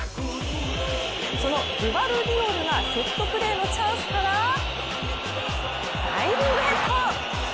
そのグバルディオルがセットプレーのチャンスからダイビングヘッド。